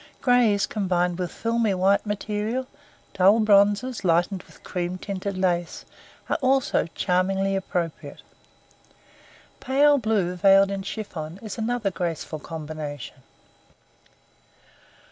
Grays combined with filmy white material, dull bronzes lightened with cream tinted lace, are also charmingly appropriate. Pale blue veiled in chiffon is another grateful combination.